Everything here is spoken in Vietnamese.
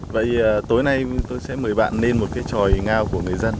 vậy tối nay tôi sẽ mời bạn lên một cái tròi ngao của người dân